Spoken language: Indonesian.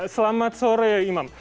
selamat sore imam